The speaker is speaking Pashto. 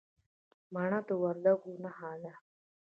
مڼه د وردګو نښه ده.